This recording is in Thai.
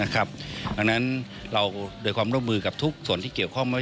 ดังนั้นเราโดยความร่วมมือกับทุกส่วนที่เกี่ยวข้องไว้